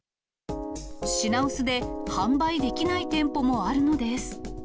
品薄で販売できない店舗もあるのです。